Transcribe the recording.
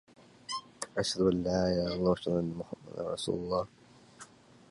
Mersenne is also remembered today thanks to his association with the Mersenne primes.